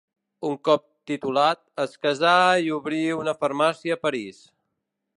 Un cop titulat, es casà i obrí una farmàcia a París.